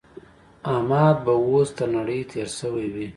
احمد به اوس تر نړۍ تېری شوی وي.